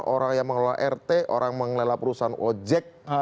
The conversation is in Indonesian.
orang yang mengelola rt orang yang mengelola perusahaan ojec